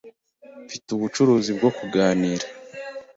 Mfite ubucuruzi bwo kuganira.